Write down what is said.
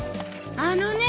あのね！